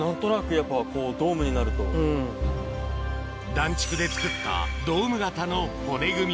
ダンチクで作ったドーム型の骨組み